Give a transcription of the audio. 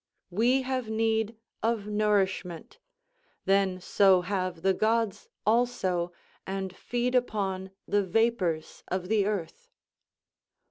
We have need of nourishment; then so have the gods also, and feed upon the vapours of the earth.